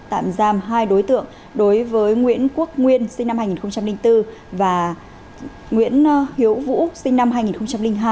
tạm giam hai đối tượng đối với nguyễn quốc nguyên sinh năm hai nghìn bốn và nguyễn hiếu vũ sinh năm hai nghìn hai